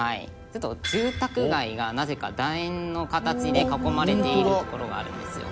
「ちょっと住宅街がなぜかだ円の形で囲まれている所があるんですよ」